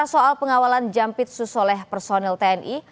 soal pengawalan jampitsus oleh personil tni